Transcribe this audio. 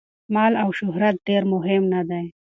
مال او شهرت ډېر مهم نه دي.